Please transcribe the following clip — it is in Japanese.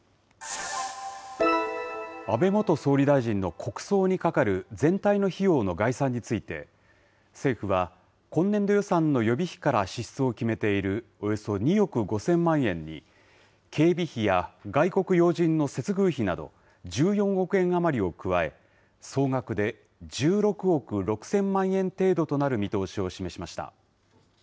安倍元総理大臣の国葬にかかる全体の費用の概算について、政府は、今年度予算の予備費から支出を決めているおよそ２億５０００万円に、警備費や外国要人の接遇費など、１４億円余りを加え、総額で１６億６０００万円程度となる見通しを示しました。